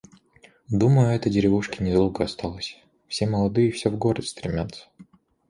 Думаю, этой деревушке недолго осталось. Все молодые всё в город стремятся.